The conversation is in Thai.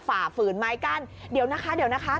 ฝ่าฝืนไม้กั้นเดี๋ยวนะคะเดี๋ยวนะคะ